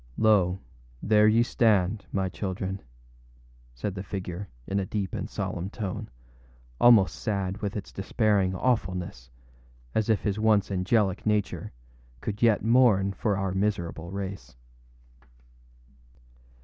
âLo, there ye stand, my children,â said the figure, in a deep and solemn tone, almost sad with its despairing awfulness, as if his once angelic nature could yet mourn for our miserable race.